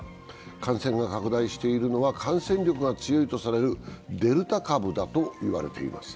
感染が拡大しているのは感染力が強いとされるデルタ株だと言われています。